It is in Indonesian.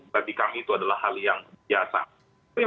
bagi kami itu adalah hal yang biasa